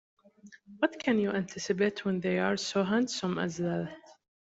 What can you anticipate when they're so handsome as that?